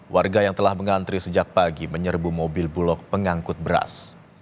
warga yang telah mengantri sejak pagi menyerbu mobil bulog pengangkut beras